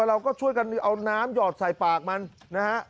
เราก็ช่วยกันเอาน้ำหยอดใส่ปากมันนะฮะ